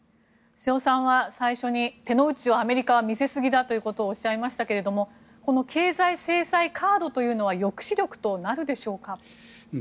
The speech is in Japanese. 瀬尾さんは最初に手の内をアメリカは見せすぎだとおっしゃいましたが経済制裁カードというのは抑止力となるでしょうか？